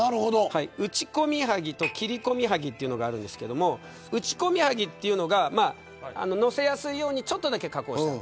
打込接と切込接というのがあるんですけど打込接というのが乗せやすいようにちょっとだけ加工してある。